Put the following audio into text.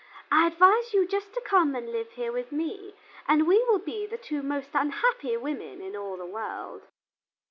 I advise you just to come and live here with me, and we will be the two most unhappy women in all the world."